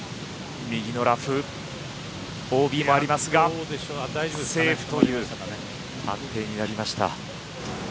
右のラフＯＢがありますがセーフという判定になりました。